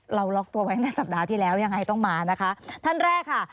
ล็อกตัวไว้ตั้งแต่สัปดาห์ที่แล้วยังไงต้องมานะคะท่านแรกค่ะ